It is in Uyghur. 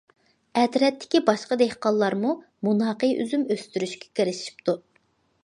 ئەترەتتىكى باشقا دېھقانلارمۇ مۇناقى ئۈزۈم ئۆستۈرۈشكە كىرىشىپتۇ.